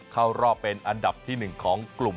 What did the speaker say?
เข้ารอบเป็นอันดับที่๑ของกลุ่ม